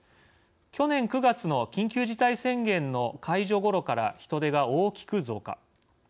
去年９月の緊急事態宣言の解除ごろから人出が大きく増加。